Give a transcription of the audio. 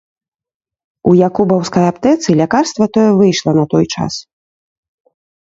У якубаўскай аптэцы лякарства тое выйшла на той час.